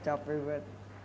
sampai harus berubah